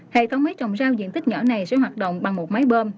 hệ thống máy trồng rau diện tích nhỏ này sẽ hoạt động bằng một máy bơm